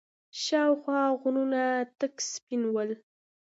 شاوخوا غرونه تک سپين ول.